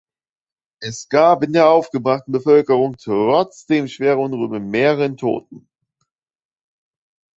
Es gab in der aufgebrachten Bevölkerung trotzdem schwere Unruhen mit mehreren Toten.